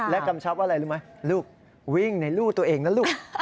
กำชับว่าอะไรรู้ไหมลูกวิ่งในลูกตัวเองนะลูก